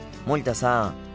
森田さん